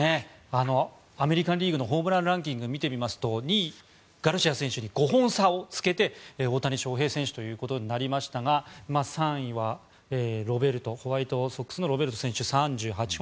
アメリカン・リーグのホームランランキングを見ますと２位、ガルシア選手に５本差をつけて大谷翔平選手ということになりましたが３位はホワイトソックスのロベルト選手、３８本。